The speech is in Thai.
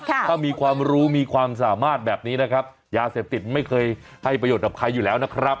ถ้ามีความรู้มีความสามารถแบบนี้นะครับยาเสพติดไม่เคยให้ประโยชน์กับใครอยู่แล้วนะครับ